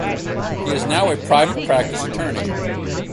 He is now a private practice attorney.